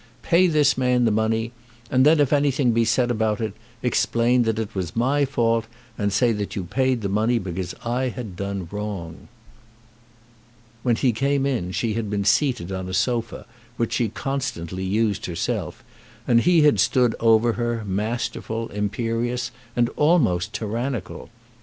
Pay this man the money, and then if anything be said about it, explain that it was my fault, and say that you paid the money because I had done wrong." When he came in she had been seated on a sofa, which she constantly used herself, and he had stood over her, masterful, imperious, and almost tyrannical.